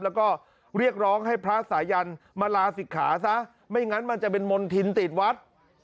แล้วก็เรียกร้องให้พระสายันมาลาศิกขาซะไม่งั้นมันจะเป็นมณฑินติดวัด